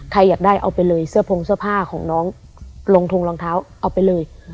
อยากได้เอาไปเลยเสื้อพงเสื้อผ้าของน้องลงทงรองเท้าเอาไปเลย